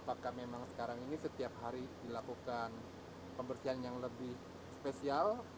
apakah memang sekarang ini setiap hari dilakukan pembersihan yang lebih spesial